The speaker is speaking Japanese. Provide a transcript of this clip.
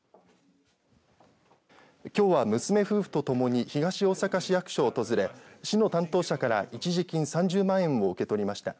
きょうは娘夫婦と共に東大阪市役所を訪れ市の担当者から一時金３０万円を受け取りました。